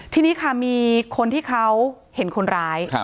ทีนี้ค่ะมีคนที่เขาเห็นคนร้าย